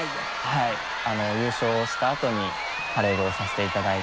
はい優勝したあとにパレードをさせて頂いて。